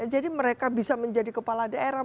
jadi mereka bisa menjadi kepala daerah